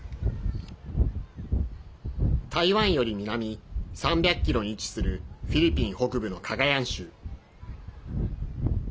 台湾より南３００ｋｍに位置するフィリピン北部のカガヤン州。